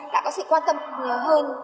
đã có sự quan tâm hơn